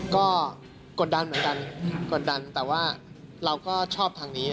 ก็กดดันเหมือนกันกดดันแต่ว่าเราก็ชอบทางนี้